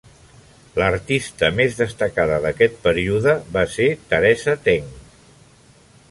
L'artista més destacada d'aquest període va ser Teresa Teng.